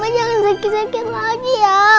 jangan sakit sakit lagi ya